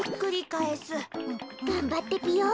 がんばってぴよ！